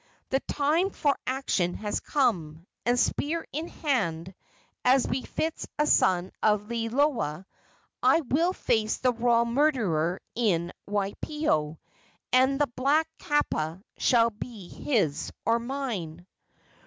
The time for action has come, and, spear in hand, as befits a son of Liloa, I will face the royal murderer in Waipio, and the black kapa shall be his or mine!"